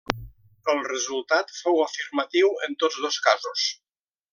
El resultat fou afirmatiu en tots dos casos.